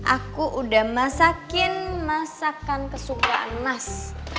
aku udah masakin masakan kesukaan mas